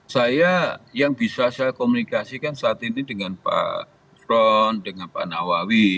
saya yang bisa saya komunikasikan saat ini dengan pak fron dengan pak nawawi